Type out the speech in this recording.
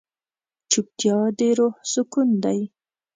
چوپتیا، د روح سکون دی.